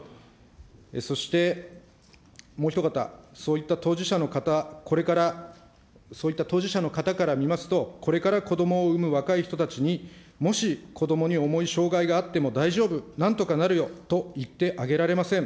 そして、もうひと方、そういった当事者の方、これから、そういった当事者の方から見ますと、これからこどもを産む若い人たちに、もしこどもに重い障害があっても大丈夫、なんとかなるよと言ってあげられません。